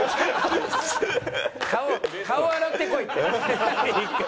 顔顔洗ってこいって一回。